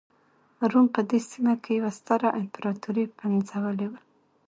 روم په دې سیمه کې یوه ستره امپراتوري پنځولې وه.